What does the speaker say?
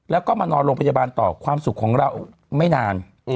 แล้วก็มานอนโรงพยาบาลต่อความสุขของเราไม่นาน